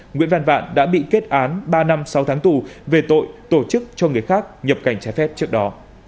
nguyễn văn vạn đã bị kết án ba năm sáu tháng tù về tội tổ chức cho người khác nhập cảnh trái phép trước đó